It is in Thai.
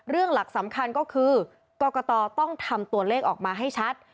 หลักสำคัญก็คือกรกตต้องทำตัวเลขออกมาให้ชัด